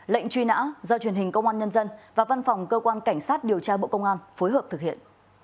lệnh truy nã do truyền hình công an nhân dân và văn phòng cơ quan cảnh sát điều tra bộ công an phối hợp thực hiện